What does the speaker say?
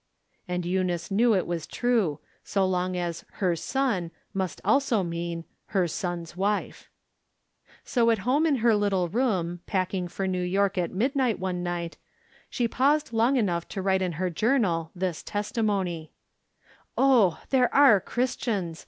And Eunice knew it was true, so long as " her son " must also mean " her son's wife." So at home in her little room, packing for New York at midnight one night, she paused long enough to write in her journal this testimony :" Oh, there are Christians